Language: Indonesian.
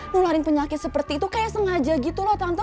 nularin penyakit seperti itu kayak sengaja gitu loh tante